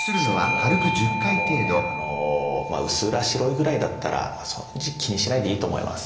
しかも何かもうねうっすら白いぐらいだったらまあ気にしないでいいと思います。